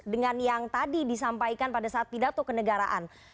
dengan yang tadi disampaikan pada saat pidato kenegaraan